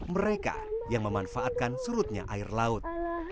mereka yang memanfaatkan surutnya air laut